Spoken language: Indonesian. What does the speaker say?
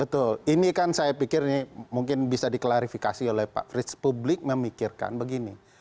betul ini kan saya pikir ini mungkin bisa diklarifikasi oleh pak frits publik memikirkan begini